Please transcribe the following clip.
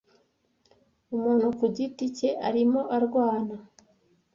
Umuntu ku giti cye arimo arwana